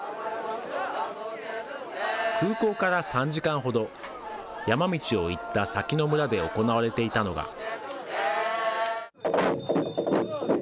空港から３時間ほど、山道を行った先の村で行われていたのが。